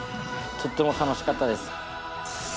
とっても楽しかったです。